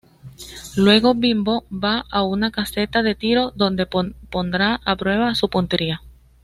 Luego Bimbo va a una caseta de tiro, donde pondrá a prueba su puntería.